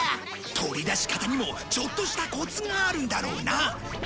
取り出し方にもちょっとしたコツがあるんだろうな